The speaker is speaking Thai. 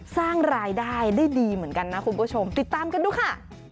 สร้างรายได้ได้ดีเหมือนกันนะคุณผู้ชมติดตามกันดูค่ะ